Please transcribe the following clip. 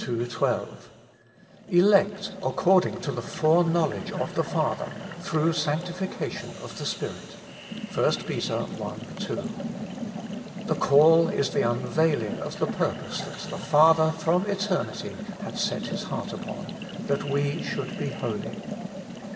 12). 'Elect according to the foreknowledge of the Father, through sancti ftcation of the Spirit ' (1 Pet. i. 2). The call is the unveiling of the purpose that the Father from eternity had set His heart upon : that we should be holy.